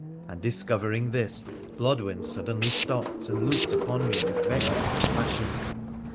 And, discovering this, Blodwen suddenly stopped and looked upon me with vexed compassion.